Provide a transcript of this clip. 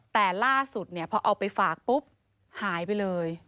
แต่ล่าสุดเนี่ยพอเอาไปฝากปุ๊บหายไปเลย